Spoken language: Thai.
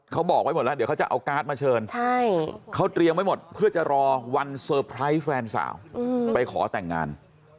เขาบอกไว้หมดแล้วเดี๋ยวเขาจะเอาการ์ดมาเชิญเขาเตรียมไว้หมดเพื่อจะรอวันเซอร์ไพรส์แฟนสาวไปขอแต่งงาน